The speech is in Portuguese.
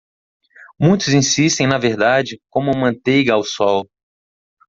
Muitos insistem na verdade como manteiga ao sol.